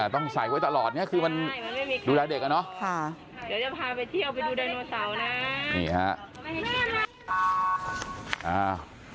ต้องใส่ไว้ตลอดก็คือมันดูแลเด็กอะเนาะ